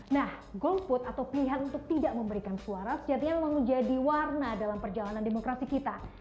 nah golput atau pilihan untuk tidak memberikan suara sejatinya memang menjadi warna dalam perjalanan demokrasi kita